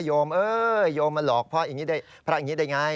โยมเอ้อโยมมาหลอกเพราะพระอย่างนี้ได้ไง